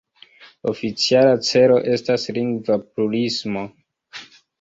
Oficiala celo estas lingva plurismo.